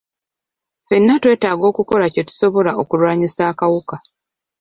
Ffenna twetaaga okukola kye tusobola okulwanyisa akawuka.